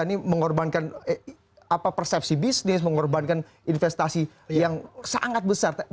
ini mengorbankan persepsi bisnis mengorbankan investasi yang sangat besar